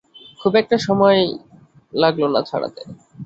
খুব একটা সময় লাগলো না ছড়াতে।